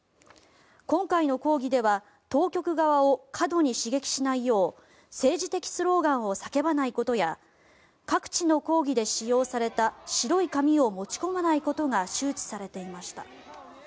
今回の抗議では当局側を過度に刺激しないよう政治的スローガンを叫ばないことや各地の抗議で使用された白い紙を持ち込まないことが周知されていました。